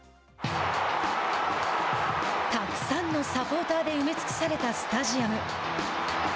たくさんのサポーターで埋め尽くされたスタジアム。